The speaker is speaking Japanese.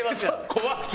怖くて。